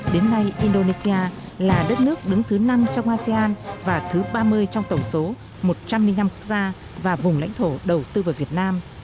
đến nay indonesia là đất nước đứng thứ năm trong asean và thứ ba mươi trong tổng số một trăm linh năm quốc gia và vùng lãnh thổ đầu tư vào việt nam